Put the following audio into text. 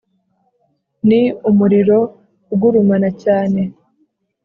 (ni) umuriro ugurumana cyane